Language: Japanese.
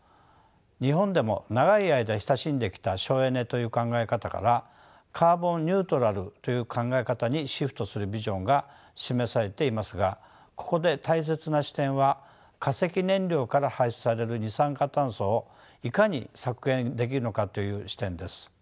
日本でも長い間親しんできた省エネという考え方からカーボン・ニュートラルという考え方にシフトするビジョンが示されていますがここで大切な視点は化石燃料から排出される二酸化炭素をいかに削減できるのかという視点です。